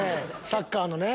サッカーのね。